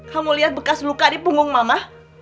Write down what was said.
kamu lihat bekas luka di punggung mama